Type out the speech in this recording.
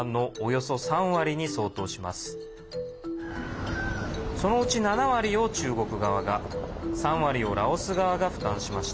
そのうち７割を中国側が３割をラオス側が負担しました。